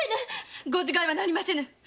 御自害はなりませぬ！